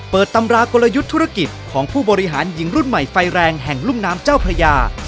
ตำรากลยุทธ์ธุรกิจของผู้บริหารหญิงรุ่นใหม่ไฟแรงแห่งลุ่มน้ำเจ้าพระยา